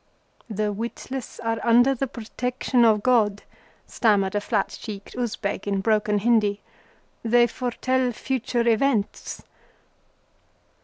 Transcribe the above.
"The witless are under the protection of God," stammered a flat cheeked Usbeg in broken Hindi. "They foretell future events."